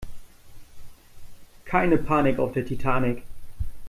Keine Panik auf der Titanic!